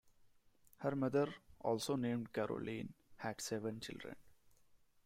Her mother, also named Caroline, had seven children.